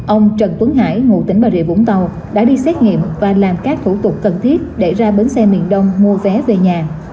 ông trần tuấn hải ngụ tỉnh bà rịa vũng tàu đã đi xét nghiệm và làm các thủ tục cần thiết để ra bến xe miền đông mua vé về nhà